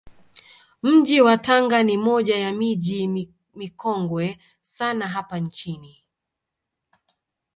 Mji wa Tanga ni moja ya miji mikongwe sana hapa nchini